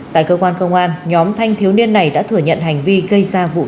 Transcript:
tại cơ quan công an nhóm thanh thiếu niên này đã thử nhận hành vi gây ra vụ